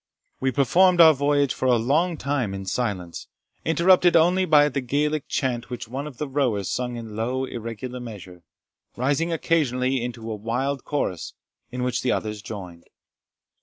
We performed our voyage for a long time in silence, interrupted only by the Gaelic chant which one of the rowers sung in low irregular measure, rising occasionally into a wild chorus, in which the others joined.